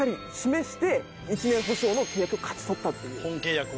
本契約を。